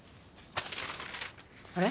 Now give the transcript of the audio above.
あれ？